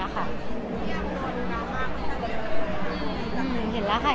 อยากรอดรูปการว่าเขาด้วย